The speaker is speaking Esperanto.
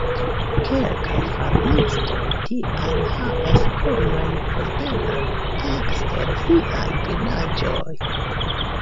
Kelkaj farmistoj tial havas kromajn postenojn ekster siaj vilaĝoj.